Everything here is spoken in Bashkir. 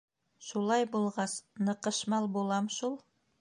Шулай булғас, ныҡышмал булам шул.